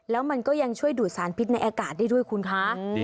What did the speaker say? แล้วมันก็ยังช่วยดูดสารพิษในอากาศได้ด้วยคุณคะ